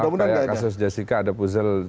kayak kasus jessica ada puzzle